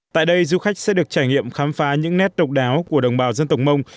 tại đây du khách sẽ được trải nghiệm khám phá những nét độc đáo của đồng bào dân tộc mông